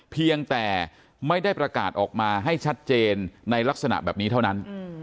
เพียงแต่ไม่ได้ประกาศออกมาให้ชัดเจนในลักษณะแบบนี้เท่านั้น